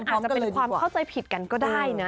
ที่ฉันว่ามันอาจจะเป็นความเข้าใจผิดกันก็ได้นะ